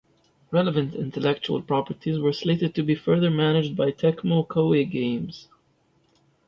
Relevant intellectual properties were slated to be further managed by Tecmo Koei Games.